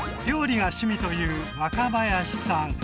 「料理が趣味」という若林さん